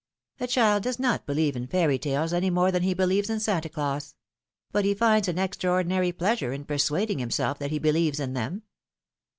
^^ A child does not believe in fairy tales any more than he believes in Santa Claus ; but he finds an extraordinary pleasure in persuading himself that he believes in them.